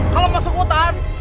kalo masuk hutan